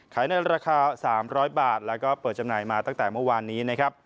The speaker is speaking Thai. ในราคา๓๐๐บาทแล้วก็เปิดจำหน่ายมาตั้งแต่เมื่อวานนี้นะครับ